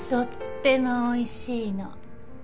とってもおいしいの